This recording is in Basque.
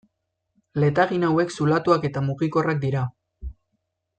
Letagin hauek zulatuak eta mugikorrak dira.